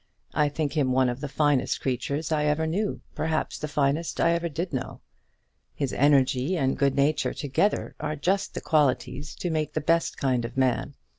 I think him one of the finest creatures I ever knew, perhaps the finest I ever did know. His energy and good nature together are just the qualities to make the best kind of man.